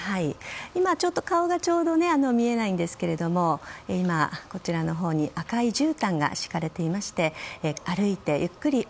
今、顔がちょうど見えないんですがこちらのほうに赤いじゅうたんが敷かれていまして歩いて、ゆっくりと。